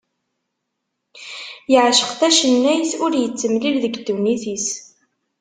Yeɛceq tacennayt ur yettemlil deg ddunit-is.